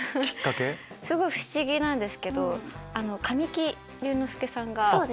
すごい不思議なんですけど神木隆之介さんが。